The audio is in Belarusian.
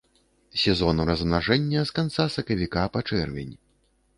Сезон размнажэння з канца сакавіка па чэрвень.